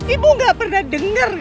ibu gak pernah denger